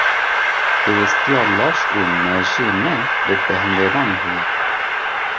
Pêwistiya laş û mejiyê me bi bêhinvedanê heye.